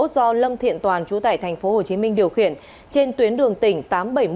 do lâm thiện toàn chú tải tp hcm điều khiển trên tuyến đường tỉnh tám trăm bảy mươi